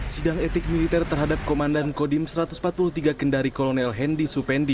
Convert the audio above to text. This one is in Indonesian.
sidang etik militer terhadap komandan kodim satu ratus empat puluh tiga kendari kolonel hendy supendi